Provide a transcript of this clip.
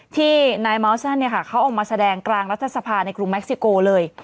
ที่นายเมาสนั่นเขาออกมาแสดงกลางรัฐสภาในกรุงเม็กซิโกเลย